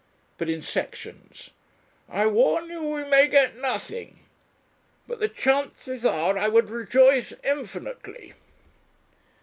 But in sections. "I warn you we may get nothing. But the chances are ... I would rejoice infinitely